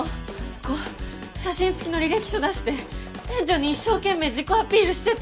こう写真付きの履歴書出して店長に一生懸命自己アピールしてた。